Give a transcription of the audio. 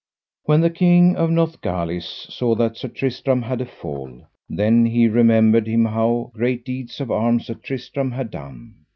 When the King of Northgalis saw that Sir Tristram had a fall, then he remembered him how great deeds of arms Sir Tristram had done.